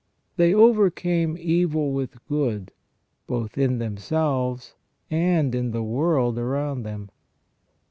They overcame evil with good, both in themselves and in the world around them.